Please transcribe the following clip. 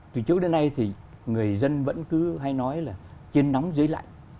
từ trước đến nay thì người dân vẫn cứ hay nói là trên nóng dưới lạnh